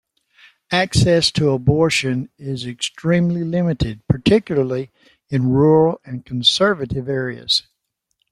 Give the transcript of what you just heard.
Access to abortions is extremely limited, particularly in rural and conservative areas.